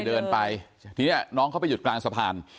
ทีนี้น้องเข้าไปหยุดกลางสะพาน